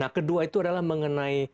kedua itu adalah mengenai